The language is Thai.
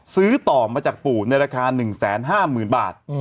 ซื้อต่อมาจากปู่ในราคา๑๕๐๐๐บาท